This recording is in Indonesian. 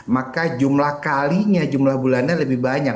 maka jumlah kalinya jumlah bulannya lebih banyak